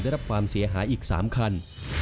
ได้รับความเสียหายอีก๓คัน